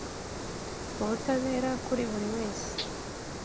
ubutabera kuri buri wese